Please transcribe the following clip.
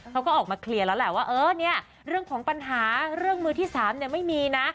เขาก็ออกมาเคลียร์แล้วแหละว่าเออเนี่ยเรื่องของปัญหาเรื่องมือที่๓เนี่ยไม่มีนะ